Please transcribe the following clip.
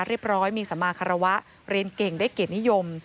เรียบร้อยมีสมาคารวะเรียนเก่งได้เกียรตินิยม